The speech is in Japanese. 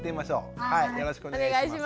よろしくお願いします。